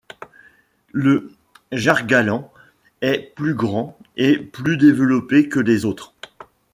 Le Jargalant est plus grand et plus développé que les autres.